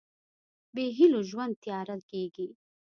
بېهيلو ژوند تیاره کېږي.